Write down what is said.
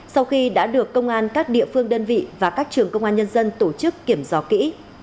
sau khi đã được công an các địa phương đơn vị và các trường công an nhân dân tổ chức kiểm dò kỹ